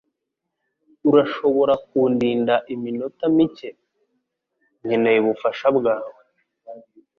Urashobora kundinda iminota mike? Nkeneye ubufasha bwawe.